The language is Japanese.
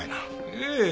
ええ。